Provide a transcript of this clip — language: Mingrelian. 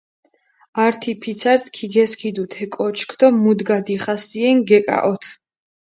ართი ფიცარს ქიგესქიდუ თე კოჩქ დო მუდგა დიხასიენ გეკაჸოთჷ.